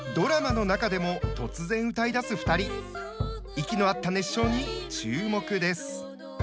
息の合った熱唱に注目です。